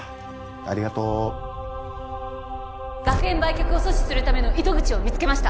ありがとう学園売却を阻止するための糸口を見つけました